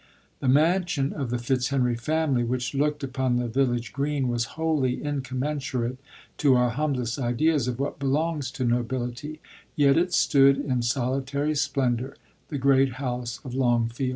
The mansion of the Fitzhenry family, which looked upon the village green, was wholly in commensurate to our humblest ideas of what belongs to nobility ; yet it stood in soli tary splendour, the Great House of Longfield.